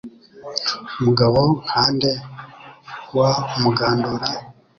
Mugabo nka nde wa Mugandura